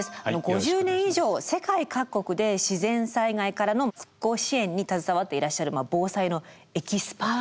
５０年以上世界各国で自然災害からの復興支援に携わっていらっしゃる防災のエキスパートです。